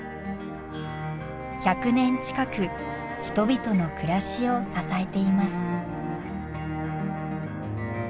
１００年近く人々の暮らしを支えています。